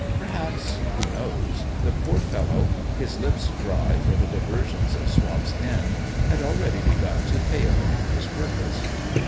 Perhaps who knows? the poor fel low, his lips dry for the diversions of Swamp's End, had already begun to fail in his purpose.